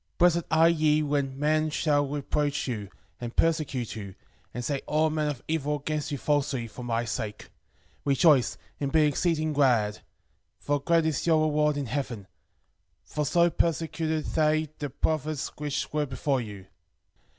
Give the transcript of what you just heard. Blessed are ye when men shall revile you, and persecute you. And shall say all manner of evil against you falsely, for my sake. Rejoice, and be exceeding glad; for great is your reward in heaven: For so persecuted they the prophets which were before you.